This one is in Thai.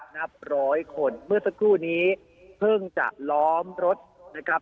นับร้อยคนเมื่อสักครู่นี้เพิ่งจะล้อมรถนะครับ